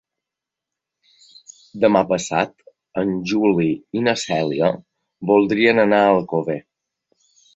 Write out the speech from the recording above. Demà passat en Juli i na Cèlia voldrien anar a Alcover.